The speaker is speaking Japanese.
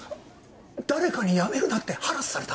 誰かに「辞めるな」ってハラスされた？